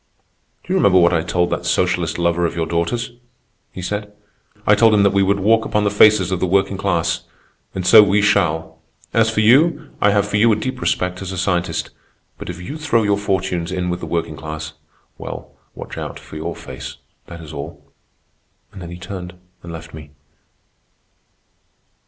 "'Do you remember what I told that socialist lover of your daughter's?' he said. 'I told him that we would walk upon the faces of the working class. And so we shall. As for you, I have for you a deep respect as a scientist; but if you throw your fortunes in with the working class—well, watch out for your face, that is all.' And then he turned and left me."